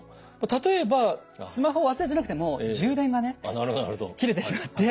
例えばスマホを忘れてなくても充電がね切れてしまって連絡できないみたいな。